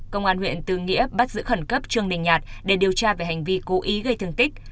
công an huyện tư nghĩa bắt giữ khẩn cấp trương đình nhạt để điều tra về hành vi cố ý gây thương tích